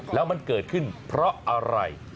แล้วมันเกิดขึ้นเพราะอะไร